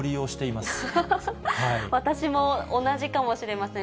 私も同じかもしれません。